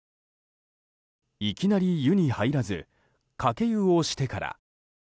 いきなり湯に入らずかけ湯をしてから。